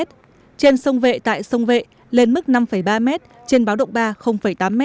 trên sông vệ tại sông vệ lên mức năm ba m trên báo động ba tám m